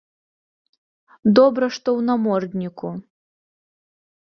Добра, што ў намордніку.